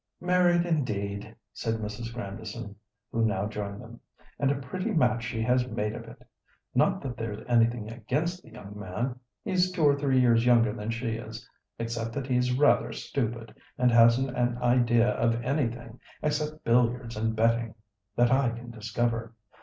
"Married, indeed," said Mrs. Grandison, who now joined them; "and a pretty match she has made of it. Not that there's anything against the young man—he's two or three years younger than she is—except that he's rather stupid, and hasn't an idea of anything, except billiards and betting, that I can discover.